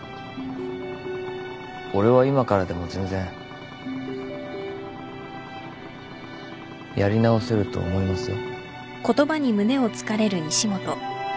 俺は今からでも全然やり直せると思いますよ。